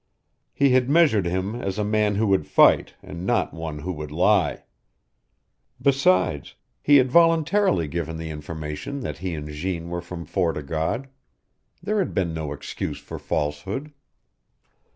He had measured him as a man who would fight, and not one who would lie. Besides, he had voluntarily given the information that he and Jeanne were from Fort o' God. There had been no excuse for falsehood.